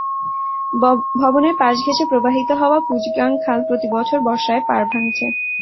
ভবনের পাশ ঘেঁষে প্রবাহিত হওয়া পূজগাঙ খাল প্রতিবছর বর্ষায় পাড় ভাঙছে।